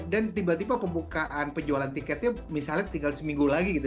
dan tiba tiba pembukaan penjualan tiketnya misalnya tinggal seminggu lagi gitu